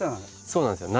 そうなんですよ。